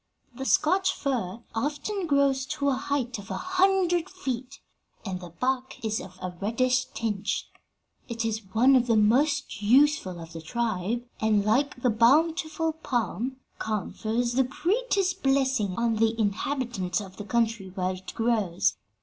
The Scotch fir often grows to the height of a hundred feet, and the bark is of a reddish tinge. 'It is one of the most useful of the tribe, and, like the bountiful palm, confers the greatest blessing on the inhabitants of the country where it grows.